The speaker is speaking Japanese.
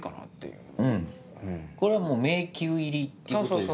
うんこれはもう迷宮入りっていうことですから。